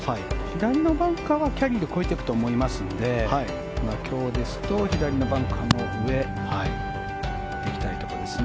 左のバンカーはキャリーで越えていくと思いますので今日ですと左のバンカーの上で行きたいところです。